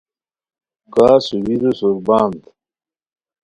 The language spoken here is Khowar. کا سوئیرو سربند